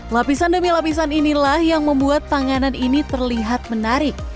lapisan demi lapisan inilah yang membuat tanganan ini terlihat menarik